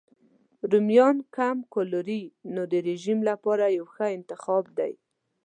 رومیان کم کالوري نو د رژیم لپاره یو ښه انتخاب دی.